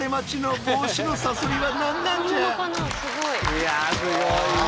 いやすごいな。